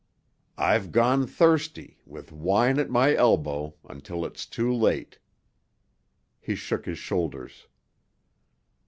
"I've gone thirsty, with wine at my elbow, until it's too late." He shook his shoulders.